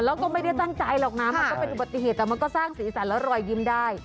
แล้วก็ไม่ได้ตั้งใจหรอกนะมันก็เป็นอุบัติเหตุแต่มันก็สร้างสีสันและรอยยิ้มได้